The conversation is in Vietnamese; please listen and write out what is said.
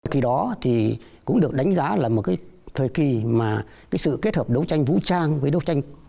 khi đó cũng được đánh giá là một thời kỳ mà sự kết hợp đấu tranh vũ trang với đấu tranh